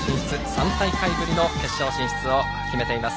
３大会ぶりの決勝進出を決めています